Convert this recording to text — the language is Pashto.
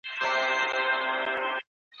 چي پر تا باندي اور، بل وي زه به څنګه غزل لیکم